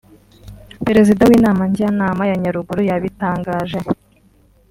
Perezida w’inama Njyanama ya Nyaruguru yabitangaje